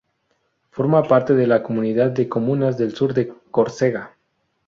Forma parte de la Comunidad de comunas del Sur de Córcega.